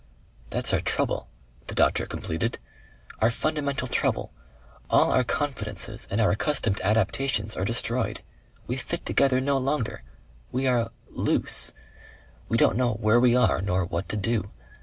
"That's our trouble," the doctor completed. "Our fundamental trouble. All our confidences and our accustomed adaptations are destroyed. We fit together no longer. We are loose. We don't know where we are nor what to do.